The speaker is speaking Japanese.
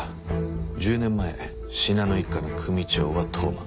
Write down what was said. １０年前信濃一家の組長は当麻。